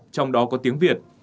trong đó có tiếng việt